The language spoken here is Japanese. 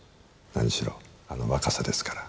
何しろあの若さですから。